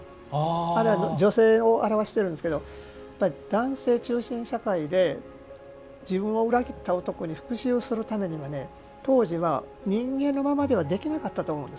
あれは女性を表しているんですが男性中心社会で自分を裏切った男に復しゅうをするためには当時は人間のままではできなかったと思うんです。